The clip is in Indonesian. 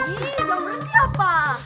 ih udah berhenti apa